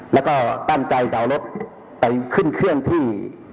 แล้วก็ตั้งใจจะเอารถไปขึ้นเครื่องที่